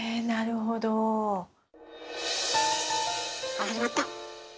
あ始まった。